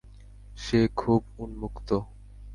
সে খুব উন্মুক্ত।